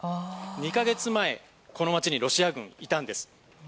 ２か月前、この街にロシア軍がいたんです。